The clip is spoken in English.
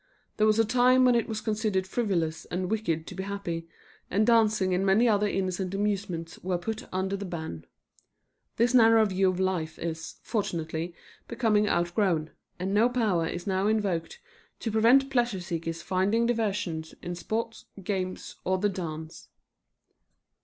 There was a time when it was considered frivolous and wicked to be happy, and dancing and many other innocent amusements were put under the ban. This narrow view of life is, fortunately, becoming outgrown, and no power is now invoked to prevent pleasure seekers finding diversion in sports, games, or the dance.